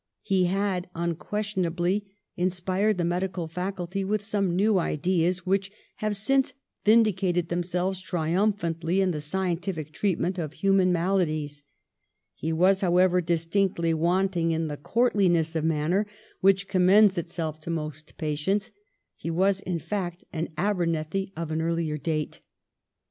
He had unquestionably inspired the medical faculty with some new ideas which have since vindicated themselves triumphantly in the scientific treatment of human maladies. He was, however, distinctly wanting in the courtliness 376 THE REIGN OF QUEEN ANNE. oh. xxxix. of manner which commends itself to most patients — he was, in fact, an Abernethy of an earlier date.